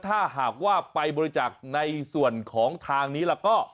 ถ้าหากว่าไปบริจาคในส่วนของทางนี้แล้วก็